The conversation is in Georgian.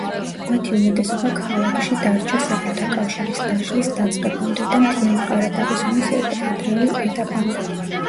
მათი უმეტესობა ქალაქში დარჩა საბჭოთა კავშირის დაშლის დაწყებამდე და მთიანი ყარაბაღის ომის ადრეულ ეტაპამდე.